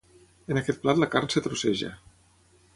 En aquest plat la carn es trosseja.